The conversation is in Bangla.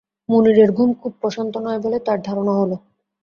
মুনিরের ঘুম খুব প্রশান্ত নয় বলে তাঁর ধারণা হল।